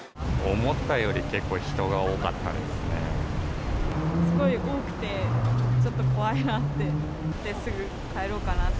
思ったより結構人が多かったすごい多くて、ちょっと怖いなって。